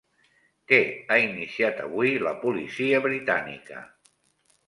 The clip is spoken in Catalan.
Què ha iniciat avui la Policia britànica?